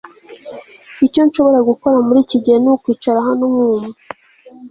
Icyo nshobora gukora muriki gihe nukwicara hano nkumva